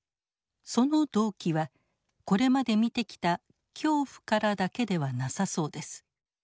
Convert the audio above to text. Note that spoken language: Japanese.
その動機はこれまで見てきた「恐怖」からだけではなさそうです。